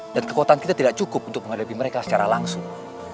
dan kekuatan kita tidak cukup untuk menghadapi mereka secara langsung